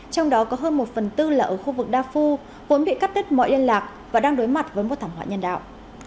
trong đó có hơn một phần tư là ở khu vực darfur vốn bị cắt tích mọi liên lạc và đang đối mặt với một thảm họa nhân đạo